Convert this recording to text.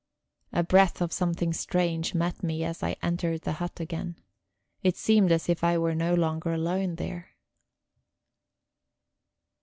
A breath of something strange met me as I entered the hut again; it seemed as if I were no longer alone there.